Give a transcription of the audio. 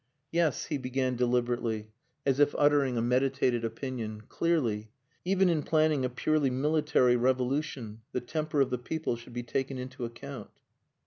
"Yes," he began deliberately, as if uttering a meditated opinion. "Clearly. Even in planning a purely military revolution the temper of the people should be taken into account."